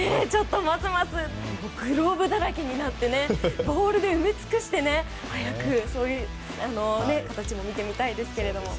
ますますグローブだらけになってボールで埋め尽くして早く、そういう形も見てみたいですけどね。